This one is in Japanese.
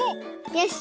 よし。